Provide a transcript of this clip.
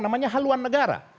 namanya haluan negara